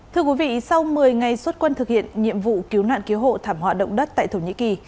thưa quý vị sau một mươi ngày xuất quân thực hiện nhiệm vụ cứu nạn cứu hộ thảm họa động đất tại thổ nhĩ kỳ